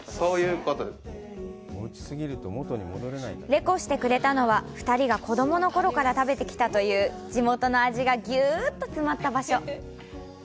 レコしてくれたのは、２人が子供の頃から食べてきたという、地元の味がギュッと詰まった場所。